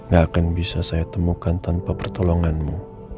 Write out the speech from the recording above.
gak akan bisa saya temukan tanpa pertolonganmu